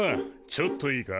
ちょっといいか。